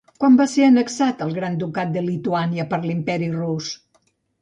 Quan va ser annexat el Gran Ducat de Lituània per l'Imperi Rus?